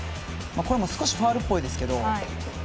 少しファウルっぽいですけど。